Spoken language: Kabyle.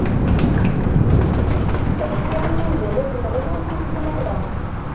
Acḥal i nudan ad t-nɣen ur t-ufin ara.